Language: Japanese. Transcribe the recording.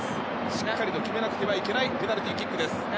しっかりと決めなくてはいけないペナルティーキックです。